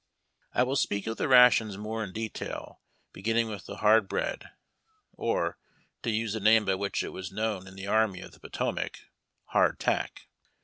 I will speak of the rations more in detail, beginning with the hard bread, or, to use the name by which it was known in the Arni}^ of the Potomac, Hardtach.